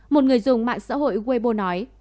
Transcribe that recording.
một người dùng mạng xã hội weibo nói